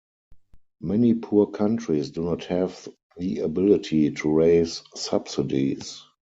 Many poor countries do not have the ability to raise subsidies.